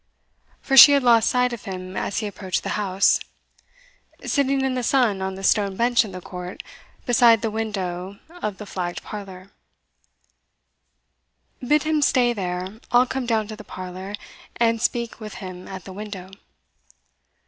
for she had lost sight of him as he approached the house. "Sitting in the sun on the stone bench in the court, beside the window of the flagged parlour." [Illustration: Eddie Ochiltree Visits Miss Wardour] "Bid him stay there I'll come down to the parlour, and speak with him at the window."